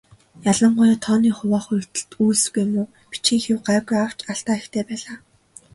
Ялангуяа тооны хуваах үйлдэлд үйлсгүй муу, бичгийн хэв гайгүй авч алдаа ихтэй байлаа.